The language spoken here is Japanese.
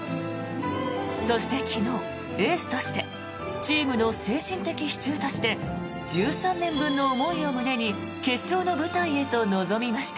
そして、昨日エースとしてチームの精神的支柱として１３年分の思いを胸に決勝の舞台へと臨みました。